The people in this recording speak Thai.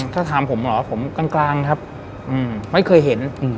ถ้าถามผมเหรอผมกลางครับไม่เคยเห็น